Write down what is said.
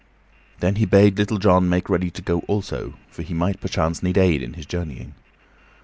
Then he bade Little John make ready to go also, for he might perchance need aid in his journeying.